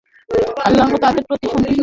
আল্লাহ তাদের প্রতি সন্তুষ্ট।